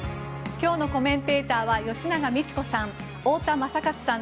今日のコメンテーターは吉永みち子さん